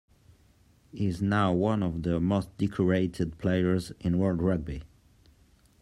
He is now one of the most decorated players in world rugby.